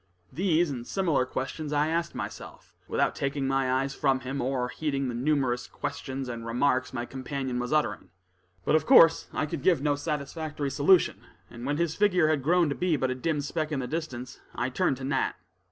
These and similar questions I asked myself, without taking my eyes from him, or heeding the numerous questions and remarks my companion was uttering. But, of course, I could give no satisfactory solution, and when his figure had grown to be but a dim speck in the distance, I turned to Nat.